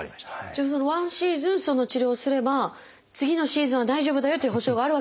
じゃあ１シーズンその治療をすれば次のシーズンは大丈夫だよという保証があるわけですか？